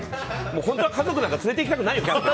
本当は家族なんか連れていきたくないよ、キャンプ。